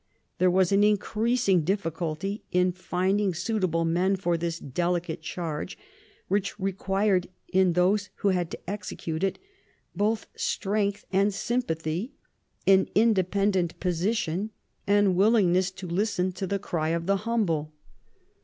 There was an increasing difficulty in finding suitable men for this delicate charge, which required in those who had to execute it both strength and sympathy, an independent position, and willing ness to listen to the cry of the humble.